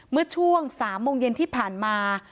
เมื่อช่วง๓โมงเย็นที่ผ่านมา